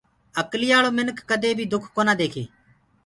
اڪليآݪو منک ڪدي بي دُک ڪونآ ديکي